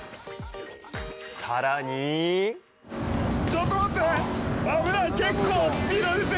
さらにちょっと待って。